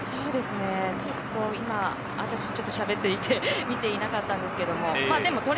ちょっと今、私しゃべっていて見ていなかったんですけども